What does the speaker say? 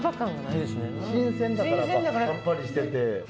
新鮮だからさっぱりしてて。